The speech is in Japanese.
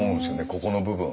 ここの部分。